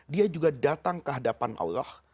dia juga datang kehadapan allah